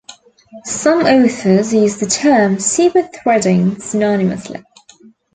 Some authors use the term super-threading synonymously.